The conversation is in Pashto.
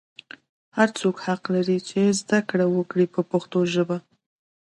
هر څوک حق لري چې زده کړه وکړي په پښتو ژبه.